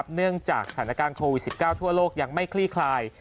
เนื่องจากสถานการณ์โควิด๑๙ทั่วโลกยังไม่คลี่คลาย